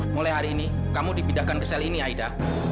mulai hari ini kamu dipindahkan ke sel ini aida